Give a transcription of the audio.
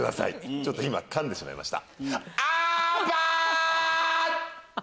ちょっと噛んでしまいました。